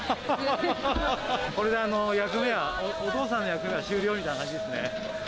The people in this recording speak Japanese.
これで役目は、お父さんの役目は終了みたいな感じですね。